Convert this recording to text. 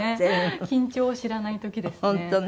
緊張を知らない時ですね。